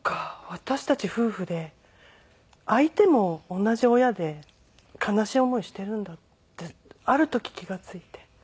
私たち夫婦で相手も同じ親で悲しい思いしているんだってある時気が付いて。